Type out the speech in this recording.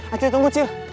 acil tunggu acil